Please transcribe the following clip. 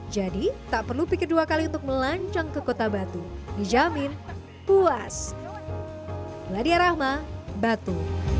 jadi tak perlu pikir dua kali untuk melancong ke kota batu dijamin puas meladia rahma batu